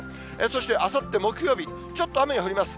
そしてあさって木曜日、ちょっと雨が降ります。